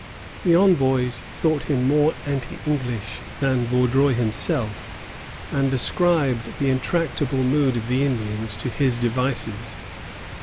The envoys thought him more anti English than Vaudreuil himself, and ascribed the intractable mood of the Indians to his devices.